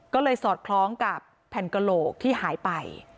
ก็เลยสอดคล้องกับแผ่นกระโหลกที่หายไป